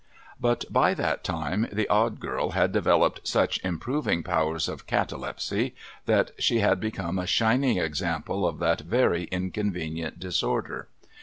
But, by that time, the Odd Girl had developed such improving powers of catalepsy, that she had become a shining example of that very inconvenient disorder.